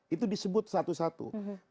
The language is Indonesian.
itu disebut satu satu